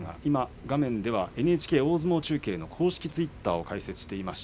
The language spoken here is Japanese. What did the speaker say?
画面ではＮＨＫ大相撲中継の公式ツイッターを開設しています。